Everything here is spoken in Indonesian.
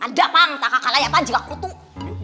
ada pang tak kakak layak panjang aku tuh